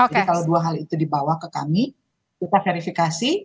jadi kalau dua hal itu dibawa ke kami kita verifikasi